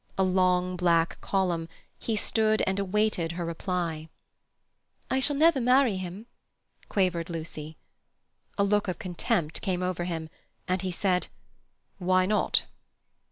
A long black column, he stood and awaited her reply. "I shall never marry him," quavered Lucy. A look of contempt came over him, and he said, "Why not?"